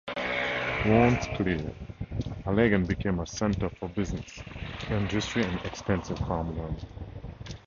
Once cleared, Allegan became a center for business, industry and expansive farmland.